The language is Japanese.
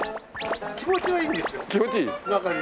気持ちはいいんですよ。